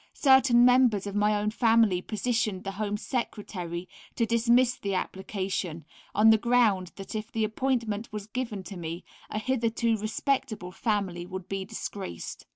Certain members of my own family petitioned the Home Secretary to dismiss the application, on the ground that if the appointment was given to me, a hitherto respectable family would be disgraced.